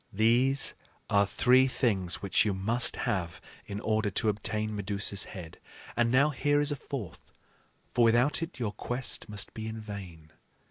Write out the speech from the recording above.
"These are three things which you must have in order to obtain Medusa's head; and now here is a fourth, for without it your quest must be in vain."